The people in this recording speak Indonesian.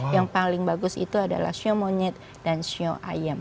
yang paling bagus itu adalah shio monyet dan show ayam